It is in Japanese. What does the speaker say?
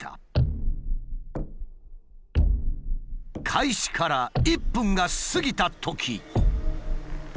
開始から１分が過ぎたとき。